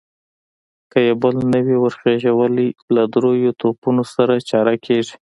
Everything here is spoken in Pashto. که يې بل نه وي ور خېژولی، له درېيو توپونو سره چاره کېږي.